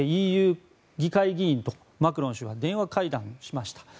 ＥＵ議会議員とマクロン氏が電話会談をしました。